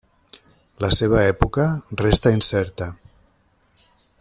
La seva època resta incerta.